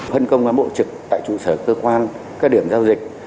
hân công và bộ trực tại trụ sở cơ quan các điểm giao dịch